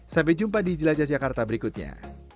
sampai jumpa di jelajah jakarta berikutnya